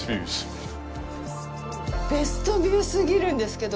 ベストビューすぎるんですけど。